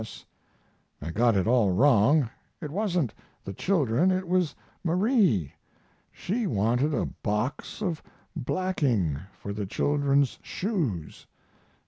C. P. S. I got it all wrong. It wasn't the children, it was Marie. She wanted a box of blacking for the children's shoes.